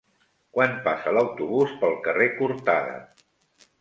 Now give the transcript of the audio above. Quan passa l'autobús pel carrer Cortada?